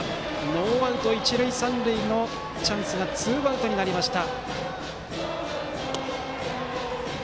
ノーアウト一塁三塁のチャンスがツーアウトになりました。